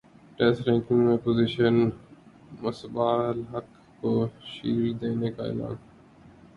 test ranking میں position Misbah ul Haq کو shield دینے کا اعلان